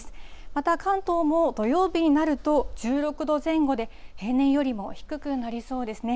また関東も土曜日になると、１６度前後で、平年よりも低くなりそうですね。